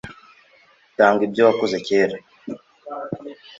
Tanga ibyo wakoze kera